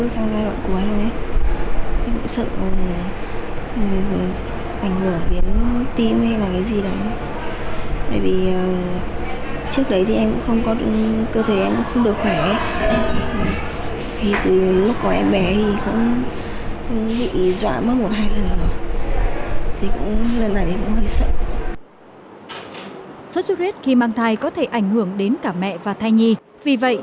sốt xuất huyết khi mang thai có thể ảnh hưởng đến cả mẹ và thai nhì vì vậy